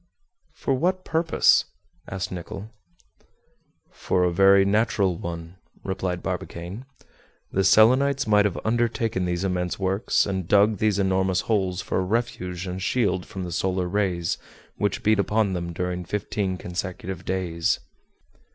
"For what purpose?" asked Nicholl. "For a very natural one," replied Barbicane. "The Selenites might have undertaken these immense works and dug these enormous holes for a refuge and shield from the solar rays which beat upon them during fifteen consecutive days."